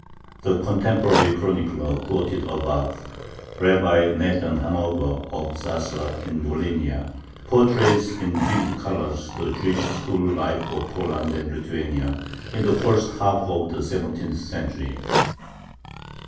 The contemporary chronicler quoted above, Rabbi Nathan Hannover, of Zaslav, in Volhynia, portrays in vivid colors the Jewish school life of Poland and Lithuania in the first half of the seventeenth century.